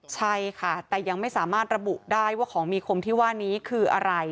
ใช่ค่ะแต่ยังไม่สามารถระบุได้ว่าของมีคมที่ว่านี้คืออะไร